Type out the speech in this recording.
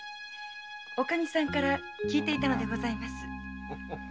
女将さんから聞いていたのでございます。